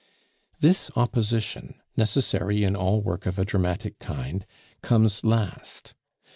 "This opposition, necessary in all work of a dramatic kind, comes last.